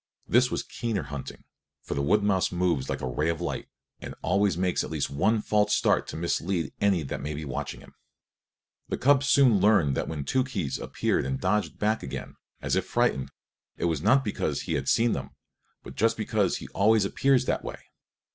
This was keener hunting; for the wood mouse moves like a ray of light, and always makes at least one false start to mislead any that may be watching for him. The cubs soon learned that when Tookhees appeared and dodged back again, as if frightened, it was not because he had seen them, but just because he always appears that way.